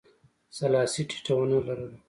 سلاسي ټیټه ونه لرله.